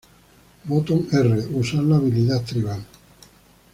Botón R: Usar la habilidad tribal.